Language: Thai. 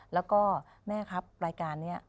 แล้วก็แม่ครับรายการนี้